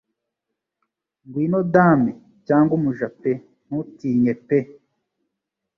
Ngwino dame cyangwa umuja pe ntutinye pe